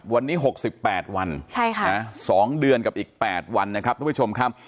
วันนี้หกสิบแปดวันใช่ค่ะสองเดือนกับอีกแปดวันนะครับทุกผู้ชมครับ